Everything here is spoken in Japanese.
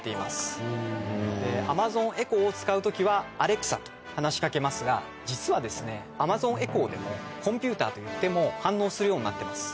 エコーを使う時は「アレクサ」と話し掛けますが実はアマゾンエコーでも「コンピューター」と言っても反応するようになってます。